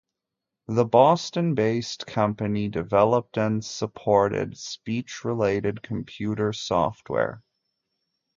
The Boston-based company developed and supported speech-related computer software.